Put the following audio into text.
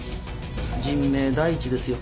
人命第一ですよ。